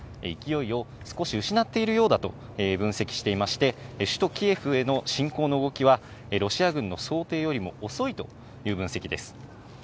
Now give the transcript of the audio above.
勢いを少し失っているようだと分析していまして、首都キエフへの侵攻の動きはロシア軍の想定よりも遅いという分析です。